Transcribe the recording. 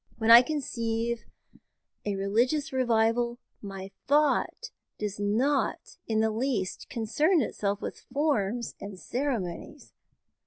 When I conceive a religious revival, my thought does not in the least concern itself with forms and ceremonies.